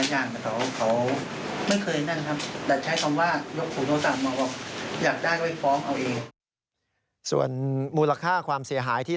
อยากได้ก็ไปฟ้องเอาเองส่วนมูลค่าความเสียหายที่